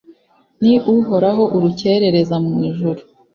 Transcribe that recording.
ni uhoraho, urukerereza mu ijuru